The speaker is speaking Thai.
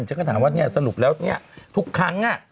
ฉันก็ถามว่าเนี่ยสรุปแล้วเนี่ยทุกครั้ง